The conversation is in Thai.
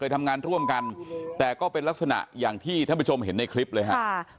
ทำงานร่วมกันแต่ก็เป็นลักษณะอย่างที่ท่านผู้ชมเห็นในคลิปเลยฮะ